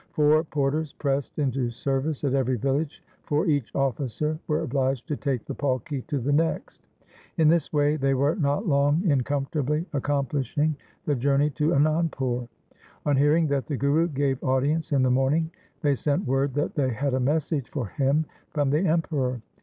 Four porters pressed into service at every village for each officer were obliged to take his palki to the next. In this way they were not long in comfortably accomplishing the journey to Anandpur. On hearing that the Guru gave audience in the morning, they sent word that they had a message for him from the Emperor.